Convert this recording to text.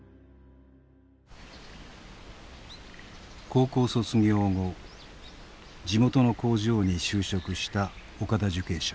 高校卒業後地元の工場に就職した岡田受刑者。